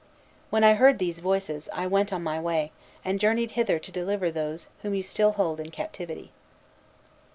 When I heard these voices, I went on my way, and journeyed hither to deliver those whom you still hold in captivity."